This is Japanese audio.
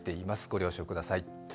ご了承ください。